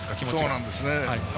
そうなんですね。